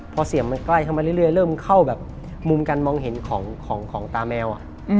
พอเสียงมันใกล้เข้ามาเรื่อยเริ่มเข้าแบบมุมการมองเห็นของตาแมว